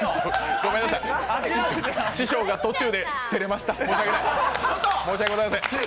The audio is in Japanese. ごめんなさい、師匠が途中で照れました。